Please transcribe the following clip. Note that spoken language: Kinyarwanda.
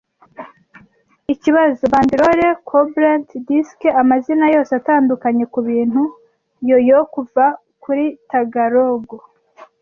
Ikibazo, bandlore, coblentz, disiki amazina yose atandukanye kubintu Yoyo - kuva muri Tagalog